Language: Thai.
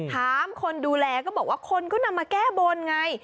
ถามคนดูแลก็บอกว่าคนก็นำมาแก้บนไง